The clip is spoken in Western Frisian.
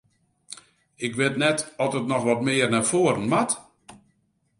Ik wit net oft it noch wat mear nei foaren moat?